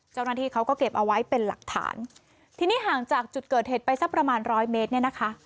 เจ้าหน้าที่เขาก็เก็บเอาไว้เป็นหลักฐานทีนี้ห่างจากจุดเกิดเหตุไปสักประมาณร้อยเมตรเนี่ยนะคะ